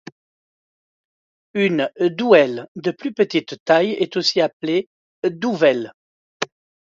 Une douelle de plus petite taille est aussi appelée douvelle.